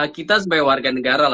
kita sebagai warga negara